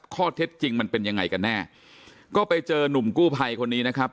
ข้อเท็จจริงมันเป็นยังไงกันแน่ก็ไปเจอนุ่มกู้ภัยคนนี้นะครับ